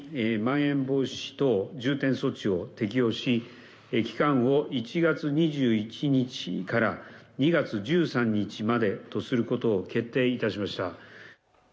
まん延防止等重点措置を適用し期間を１月２１日から２月１３日までとすることを決定いたしました。